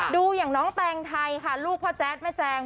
อย่างน้องแตงไทยค่ะลูกพ่อแจ๊ดแม่แจง